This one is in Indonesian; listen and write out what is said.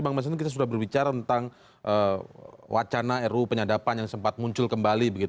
bang masinton kita sudah berbicara tentang wacana ru penyadapan yang sempat muncul kembali